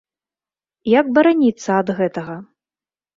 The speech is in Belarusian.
Як бараніцца ад гэтага?